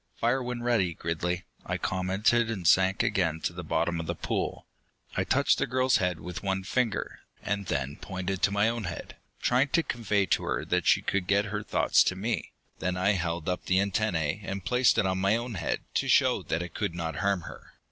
"Fire when ready, Gridley," I commented, and sank again to the bottom of the pool. I touched the girl's head with one finger, and then pointed to my own head, trying to convey to her that she could get her thoughts to me. Then I held up the antennae and placed it on my own head to show that it could not harm her.